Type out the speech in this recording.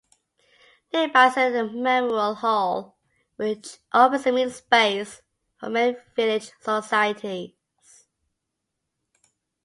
Nearby is the Memorial Hall which offers a meeting-space for many village societies.